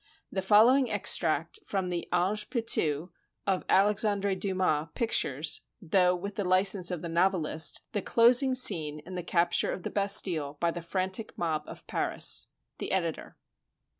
The following extract from the "Ange Pitou" of Alexandre Dumas pictures, though with the li cense of the novelist, the closing scene in the capture of the Bastille by the frantic mob of Paris. The Editor.